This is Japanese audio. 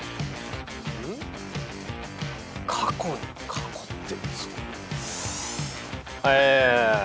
過去って。